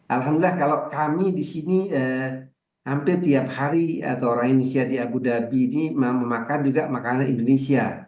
alhamdulillah kalau kami di sini hampir tiap hari atau orang indonesia di abu dhabi ini memakan juga makanan indonesia